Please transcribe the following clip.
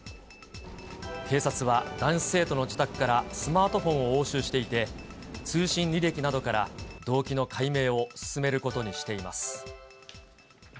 警察は、男子生徒の自宅からスマートフォンを押収していて、通信履歴などから、動機の解明を進めることにしています。